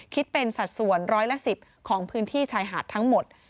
คิดเป็นสัดส่วนร้อยละ๑๐ของพื้นที่ชายหาดทั้งหมด